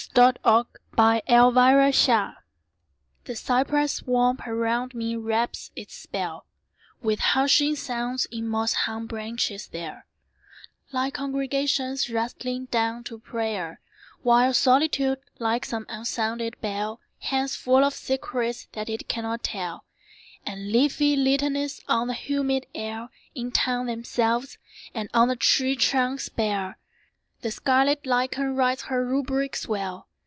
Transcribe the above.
Y Z Down the Bayou THE cypress swamp around me wraps its spell, With hushing sounds in moss hung branches there, Like congregations rustling down to prayer, While Solitude, like some unsounded bell, Hangs full of secrets that it cannot tell, And leafy litanies on the humid air Intone themselves, and on the tree trunks bare The scarlet lichen writes her rubrics well.